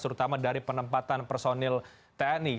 terutama dari penempatan personil tni